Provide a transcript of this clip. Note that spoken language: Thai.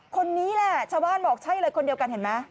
คนนี้แหละชาวบ้านบอกใช่เลยคนเดียวกันเห็นไหม